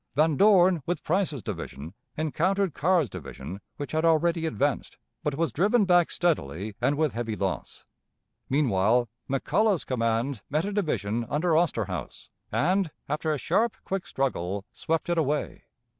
Van Dorn, with Price's division, encountered Carr's division which had already advanced, but was driven back steadily and with heavy loss. Meanwhile, McCulloch's command met a division under Osterhaus, and, after a sharp, quick struggle, swept it away.